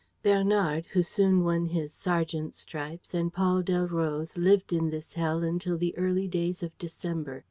Bernard, who soon won his sergeant's stripes, and Paul Delroze lived in this hell until the early days of December.